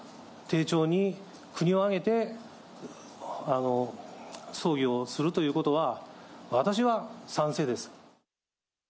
丁重に、国を挙げて葬儀をするということは、私は賛成です。